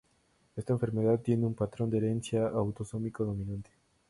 Esta enfermedad tiene un patrón de herencia autosómico dominante.